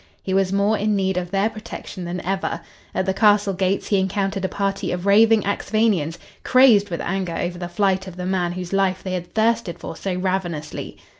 He was more in need of their protection than ever. At the castle gates he encountered a party of raving Axphainians, crazed with anger over the flight of the man whose life they had thirsted for so ravenously.